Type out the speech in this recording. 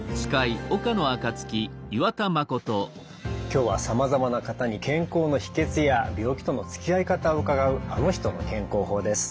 今日はさまざまな方に健康の秘けつや病気とのつきあい方を伺う「あの人の健康法」です。